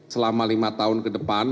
selama lima tahun ke depan